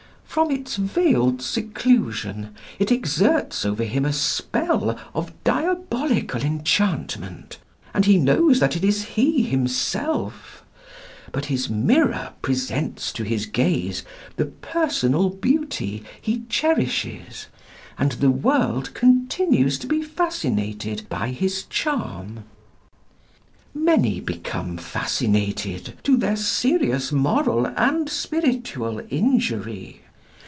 From its veiled seclusion it exerts over him a spell of diabolical enchantment, and he knows that it is he himself; but his mirror presents to his gaze the personal beauty he cherishes, and the world continues to be fascinated by his charm. Many become fascinated to their serious moral and spiritual injury.